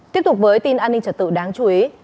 tiếp tục với tin an ninh trật tự đáng chú ý